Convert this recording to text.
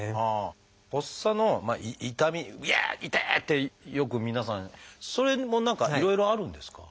発作の痛み「痛い！」ってよく皆さんそれも何かいろいろあるんですか？